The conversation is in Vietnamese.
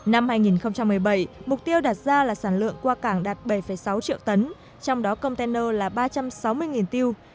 năm hai nghìn một mươi bảy mục tiêu đạt ra là sản lượng qua cảng đạt bảy sáu triệu tấn trong đó container là ba trăm sáu mươi tiêu